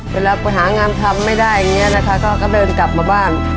เวลาไปหางานทำไม่ได้อย่างนี้นะคะก็เดินกลับมาบ้าน